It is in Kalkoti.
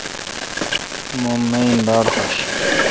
می ماین باڑ حوش